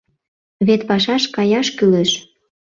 — Вет пашаш каяш кӱлеш».